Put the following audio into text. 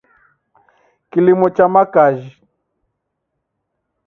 Kilimo cha makajhi